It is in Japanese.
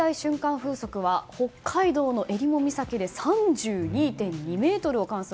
風速は北海道のえりも岬で３２．２メートルを観測。